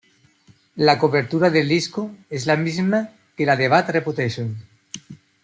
La cobertura del disco es la misma que la de Bad Reputation.